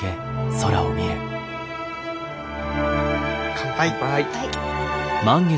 乾杯。